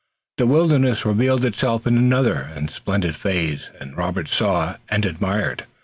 The wilderness revealed itself in another and splendid phase, and Robert saw and admired.